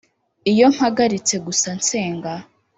iyo mpagaritse gusa nsenga.